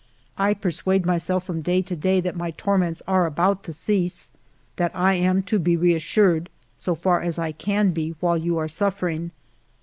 I persuade myself from day to day that my torments are about to cease, that I am to be reassured, so far as I can be while you are suffering.